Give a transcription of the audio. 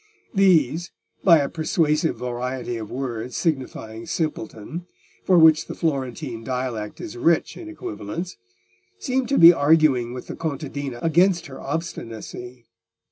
These, by a persuasive variety of words signifying simpleton, for which the Florentine dialect is rich in equivalents, seemed to be arguing with the contadina against her obstinacy.